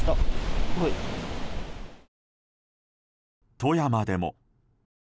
富山でも。